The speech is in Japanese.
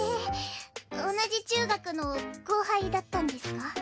同じ中学の後輩だったんですか？